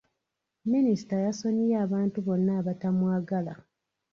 Minisita yasonyiye abantu bonna abatamwagala.